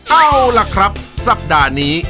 เอาล่ะครับสัปดาห์นี้